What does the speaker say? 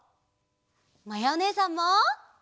まやおねえさんも！